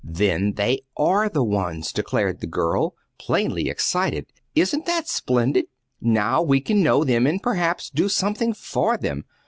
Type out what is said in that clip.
"Then they are the ones," declared the girl, plainly excited. "Isn't that splendid? Now we can know them, and perhaps do something for them.